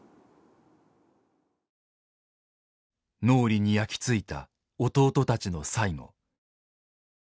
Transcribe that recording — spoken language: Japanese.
脳裏に焼き付いた弟たちの最期。